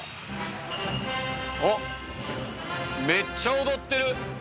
おっめっちゃ踊ってる！